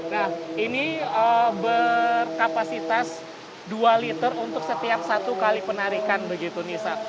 nah ini berkapasitas dua liter untuk setiap satu kali penarikan begitu nisa